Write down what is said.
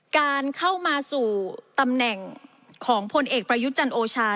การเข้ามาสู่ตำแหน่งของพลเอกประยุทธ์จันทร์โอชา